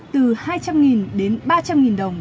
từ hai trăm linh nghìn đồng